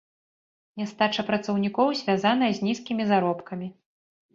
Нястача працаўнікоў звязаная з нізкімі заробкамі.